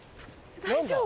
大丈夫？